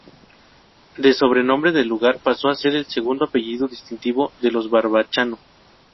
De sobrenombre del lugar, pasó a ser el segundo apellido distintivo de los Barbachano.